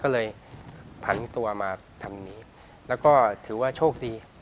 ก็เลยผันตัวมาทำนี้แล้วก็ถือว่าโชคดี